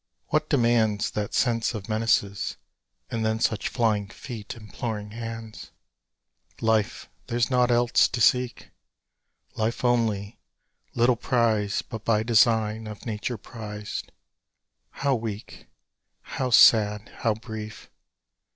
What demands That sense of menaces, And then such flying feet, imploring hands? Life: There's nought else to seek; Life only, little prized; but by design Of Nature prized. How weak, How sad, how brief!